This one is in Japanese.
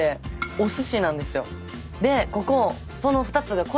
でここ。